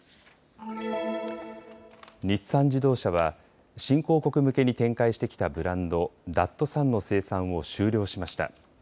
日産自動車は新興国向けに展開してきたブランド、ダットサンの生産を終了しました。